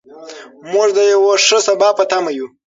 موږ د یو ښه سبا په تمه یو.